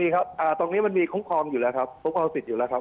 ครับตรงนี้มันมีคุ้มครองอยู่แล้วครับคุ้มครองสิทธิ์อยู่แล้วครับ